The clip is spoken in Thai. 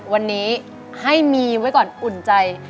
วันนี้ให้มีไว้ก่อนอุ่นใจ